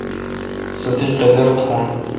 سو تی قادر تھون۔